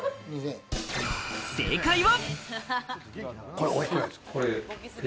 正解は。